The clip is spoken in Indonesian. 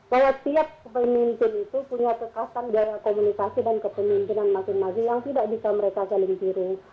bahwa tiap pemimpin itu punya kekasan gaya komunikasi dan kepemimpinan masing masing yang tidak bisa mereka saling tiru